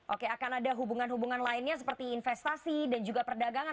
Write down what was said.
oke akan ada hubungan hubungan lainnya seperti investasi dan juga perdagangan